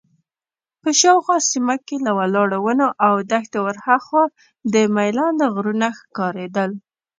په شاوخوا سیمه کې له ولاړو ونو او دښتې ورهاخوا د میلان غرونه ښکارېدل.